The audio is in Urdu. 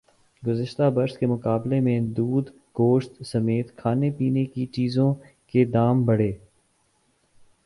گزشتہ برس کے مقابلے میں دودھ گوشت سمیت کھانے پینے کی چیزوں کے دام بڑھے